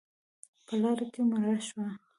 _په لاره کې مړه شوه.